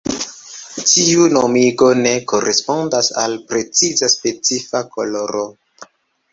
Tiu nomigo ne korespondas al preciza specifa koloro.